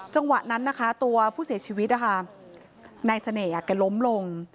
จังหวะนั้นนะคะตัวผู้เสียชีวิตนะคะนายเสน่ห์แกล้มลง